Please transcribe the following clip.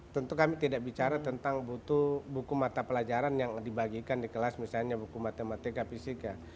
tentu kami tidak bicara tentang butuh buku mata pelajaran yang dibagikan di kelas misalnya buku matematika fisika